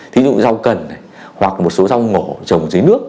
thí dụ rau cần này hoặc một số rau ngổ trồng dưới nước